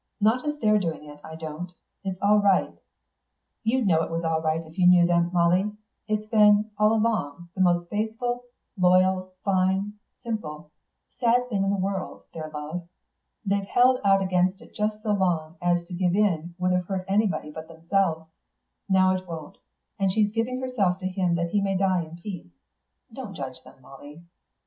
"Not as they're doing it, I don't. It's all right. You'd know it was all right if you knew them, Molly. It's been, all along, the most faithful, loyal, fine, simple, sad thing in the world, their love. They've held out against it just so long as to give in would have hurt anyone but themselves; now it won't, and she's giving herself to him that he may die in peace. Don't judge them, Molly."